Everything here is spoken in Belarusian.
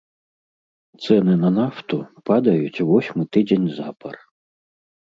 Цэны на нафту падаюць восьмы тыдзень запар.